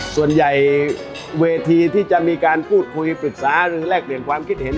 ส่วนใหญ่เวทีที่จะมีการพูดคุยปรึกษาหรือแลกเปลี่ยนความคิดเห็น